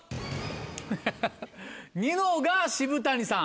フフフニノが渋谷さん。